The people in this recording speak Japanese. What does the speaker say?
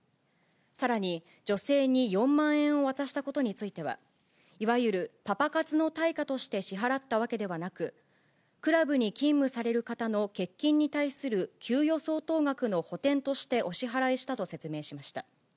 さらに、女性に４万円を渡したことについては、いわゆるパパ活の対価として支払ったわけではなく、クラブに勤務される方の欠勤に対する給与相当額の補填としてお支払いしたと説明しました。